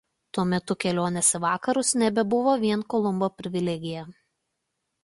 Tuo metu kelionės į vakarus nebebuvo vien Kolumbo privilegija.